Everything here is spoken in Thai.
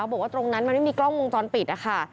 บอกว่าตรงนั้นมันไม่มีกล้องวงจรปิดนะคะ